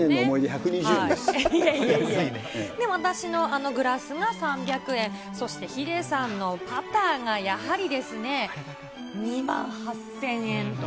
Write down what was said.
で、私のグラスが３００円、そしてヒデさんのパターがやはり、２万８０００円と。